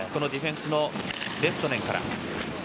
ディフェンスのレフトネンから。